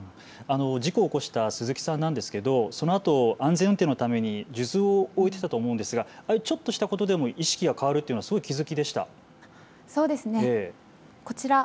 事故を起こした鈴木さんなんですけれどそのあと安全運転のために数珠を置いていたと思うのですが、ちょっとひと事でも意識が変わるというのは気付きましたか。